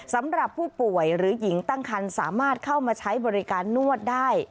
สำหรับผู้ป่วยหรือหญิงตั้งคันสามารถเข้ามาใช้บริการนวดได้